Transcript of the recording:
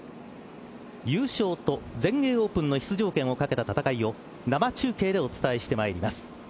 優勝と全英オープンへの出場権を懸けた戦いを生中継でお伝えしてまいります。